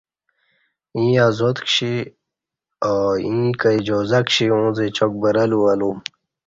ییں ازاد کشی او ایں کہ اجازہ کشی اُݩڅ اچاک برہلو الوم